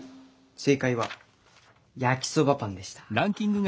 正解は焼きそばパンでした。